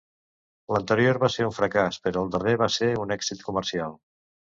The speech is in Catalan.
L'anterior va ser un fracàs, però el darrer va ser un èxit comercial.